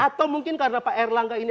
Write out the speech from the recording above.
atau mungkin karena pak erlangga ini